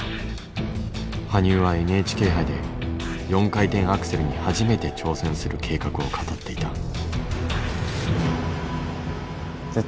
羽生はＮＨＫ杯で４回転アクセルに初めて挑戦する計画を語っていた。